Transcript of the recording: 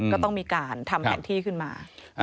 ก็ต้องมีการทำแผนที่ขึ้นมา